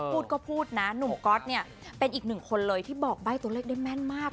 พูดก็พูดนะหนุ่มก๊อตเนี่ยเป็นอีกหนึ่งคนเลยที่บอกใบ้ตัวเลขได้แม่นมาก